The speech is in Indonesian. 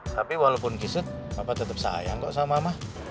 tapi walaupun kisut papa tetep sayang kok sama mama